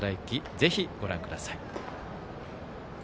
ぜひご覧ください。